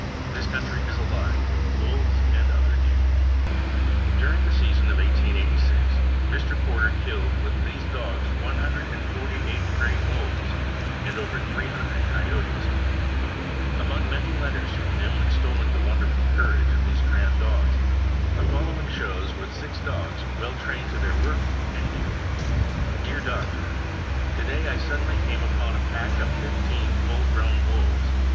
This country is alive with wolves and other game." During the season of 1886, Mr. Porter killed with these dogs one hundred and forty eight gray wolves and over THE SCOTCH DEERHOUND. 187 three hundred coyotes. Among many letters from him extolling the wonderful courage of these grand dogs, the following shows what six dogs well trained to their work can do: "Dear Doctor: To day I suddenly came upon a pack of iifteen full grown wolves.